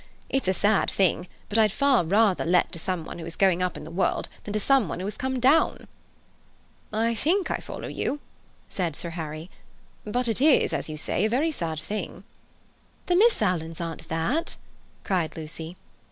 It's a sad thing, but I'd far rather let to some one who is going up in the world than to someone who has come down." "I think I follow you," said Sir Harry; "but it is, as you say, a very sad thing." "The Misses Alan aren't that!" cried Lucy.